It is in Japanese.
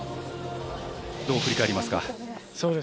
どう振り返りますか？